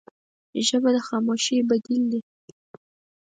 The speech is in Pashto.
ژبه د خاموشۍ بدیل ده